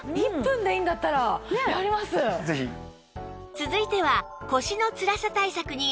続いては